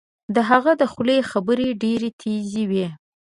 د هغه د خولې خبرې ډیرې تېزې وې